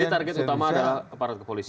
jadi target utama adalah aparat kepolisian